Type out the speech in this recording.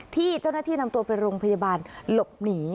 ที่เจ้าหน้าที่นำตัวไปโรงพยาบาลหลบหนี